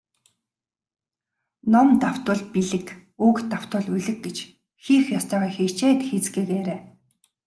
Ном давтвал билиг, үг давтвал улиг гэж хийх ёстойгоо хичээгээд хийцгээгээрэй.